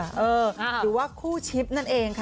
หรือว่าคู่ชิปนั่นเองค่ะ